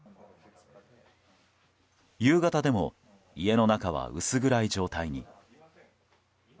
夕方でも家の中は薄暗い状態に。